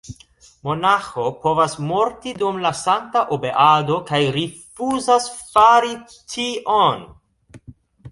Monaĥo povas morti dum la sankta obeado kaj rifuzas fari tion!